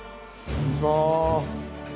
こんにちは。